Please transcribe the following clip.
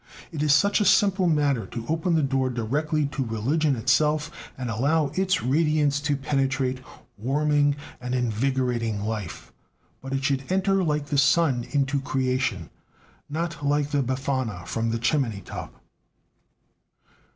It is such a simple matter to open the door directly to religion itself and allow its radiance to penetrate, warming and invigorating life. But it should enter like the sun into creation, not like the Befana from the chimney top.